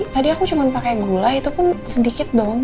tadi aku cuma pakai gula itu pun sedikit banget